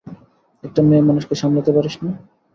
একটা মেয়ে মানুষকে সামলাতে পারিস না?